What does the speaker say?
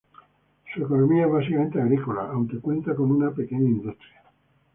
Su economía es básicamente agrícola, aunque cuenta con una pequeña industria.